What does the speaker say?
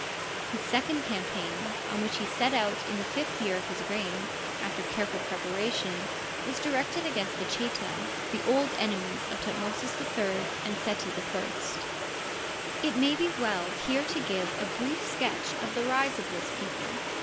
His second campaign, on which he set out in the fifth year of his reign, after careful preparation, was directed against the Cneta, the old enemies of Thutmosis III and Seti I. It may be well here to give a brief sketch of the rise of this people.